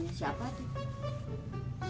ini siapa tuh